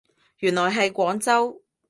原來係廣州